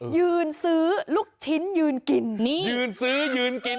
ยืนซื้อลูกชิ้นยืนกินนี่ยืนซื้อยืนกิน